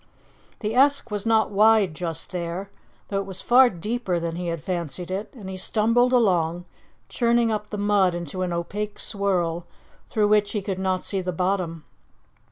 The Esk was not wide just there, though it was far deeper than he had fancied it, and he stumbled along, churning up the mud into an opaque swirl through which he could not see the bottom.